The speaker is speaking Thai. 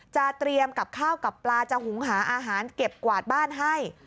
จะเตรียมกับข้าวกับปลาจะหุงหาอาหารเก็บกวาดบ้านให้